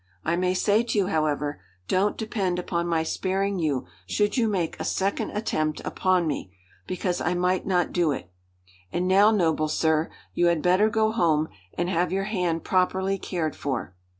I may say to you, however, don't depend upon my sparing you should you make a second attempt upon me, because I might not do it. And now, noble sir, you had better go home and have your hand properly cared for."